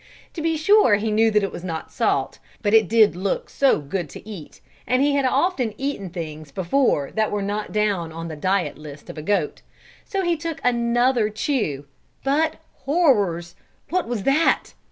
To be sure he knew that it was not salt, but it did look so good to eat, and he had often eaten things before that were not down on the diet list of a goat, so he took another chew but, horrors! what was that!